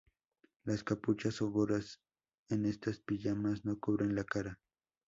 Las capuchas o gorras en estas pijamas no cubren la cara.